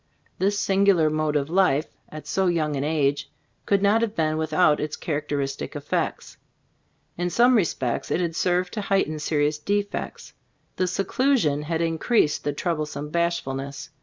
This singular mode of life, at so young an age, could not have been without its characteristic effects. In some respects it had served to height en serious defects. The seclusion had increased the troublesome bashfulness.